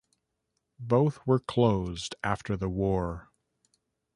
Both were closed after the war.